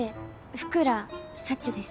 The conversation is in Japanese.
福良幸です。